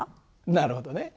なるほどね。